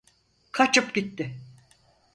Kaçıp gitti.